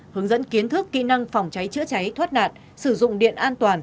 hướng dẫn kiến thức kỹ năng phòng cháy chữa cháy thoát nạn sử dụng điện an toàn